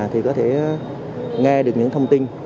thì có thể nghe được những thông tin